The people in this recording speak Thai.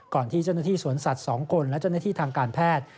ที่เจ้าหน้าที่สวนสัตว์๒คนและเจ้าหน้าที่ทางการแพทย์